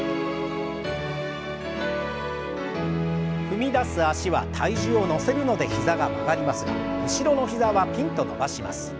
踏み出す脚は体重を乗せるので膝が曲がりますが後ろの膝はピンと伸ばします。